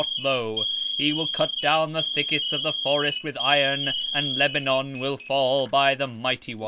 20:34 And he shall cut down the thickets of the forests with iron, and Lebanon shall fall by a mighty one.